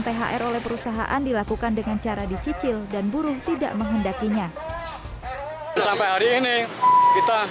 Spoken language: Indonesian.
thr oleh perusahaan dilakukan dengan cara dicicil dan buruh tidak menghendakinya sampai hari ini kita